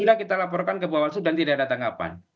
sudah kita laporkan ke bawaslu dan tidak ada tanggapan